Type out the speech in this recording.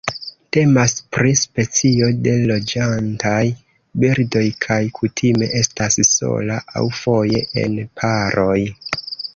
Temas pri specio de loĝantaj birdoj kaj kutime estas sola aŭ foje en paroj.